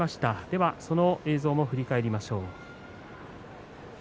では、その映像を振り返りましょう。